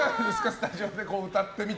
スタジオで歌ってみて。